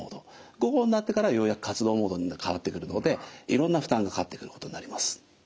午後になってからようやく活動モードに変わってくるのでいろんな負担がかかってくることになります。